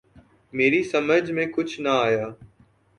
میری سمجھ میں کچھ نہ آیا۔